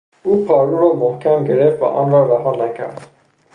او پارو را محکم گرفت و آنرا رها نکرد.